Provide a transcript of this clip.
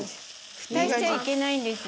ふたしちゃいけないよ！